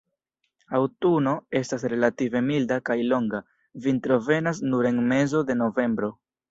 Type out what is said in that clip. Aŭtuno estas relative milda kaj longa, vintro venas nur en mezo de novembro.